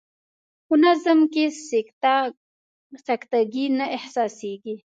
په نظم کې سکته ګي نه احساسیږي.